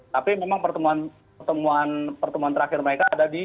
tapi memang pertemuan terakhir mereka ada di dua ribu tujuh belas